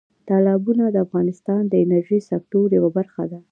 تالابونه د افغانستان د انرژۍ سکتور یوه برخه ده.